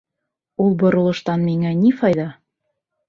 Ул боролоштан миңә ни файҙа?